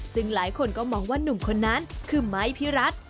ซึ่งหลายคนก็มองว่านุ่มคนนั้นคือไม้พี่รัฐ